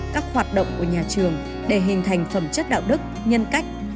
các hoạt động của nhà trường để hình thành phẩm chất đạo đức nhân cách